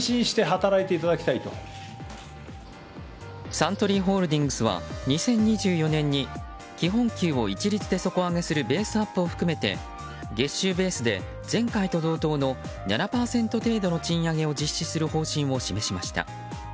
サントリーホールディングスは２０２４年に基本給を一律で底上げするベースアップを含めて月収ベースで、前回と同等の７％程度の賃上げを実施する方針を示しました。